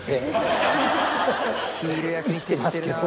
ヒール役に撤してるな。